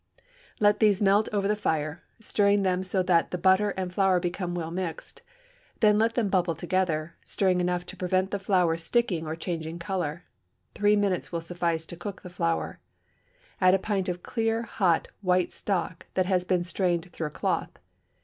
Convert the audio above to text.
Let these melt over the fire, stirring them so that the butter and flour become well mixed; then let them bubble together, stirring enough to prevent the flour sticking or changing color. Three minutes will suffice to cook the flour; add a pint of clear hot white stock that has been strained through a cloth.